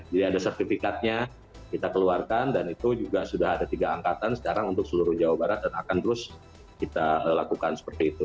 jadi ada sertifikatnya kita keluarkan dan itu juga sudah ada tiga angkatan sekarang untuk seluruh jawa barat dan akan terus kita lakukan seperti itu